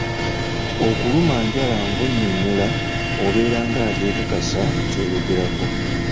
Okuluma njala ng'onyonnyola obeera ng'ateekakasa ky'oyogerako.